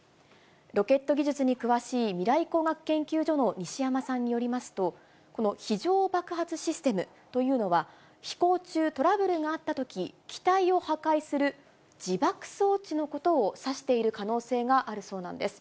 ロケット技術に詳しい未来工学研究所の西山さんによりますと、この非常爆発システムというのは、飛行中、トラブルがあったとき、機体を破壊する自爆装置のことを指している可能性があるそうなんです。